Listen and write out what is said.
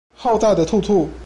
浩大的兔兔